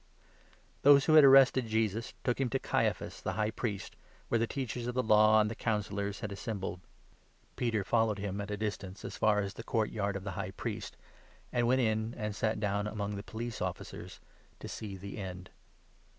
Je us Those who had arrested Jesus took him to 57 before the Caiaphas, the High Priest, where the Teachers High prieat. of the Law and the Councillors had assembled. Peter followed him at a distance as far as the court yard of the 58 High Priest, and went in and sat down among the police officers, to see the end.